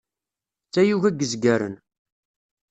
D tayuga n yezgaren.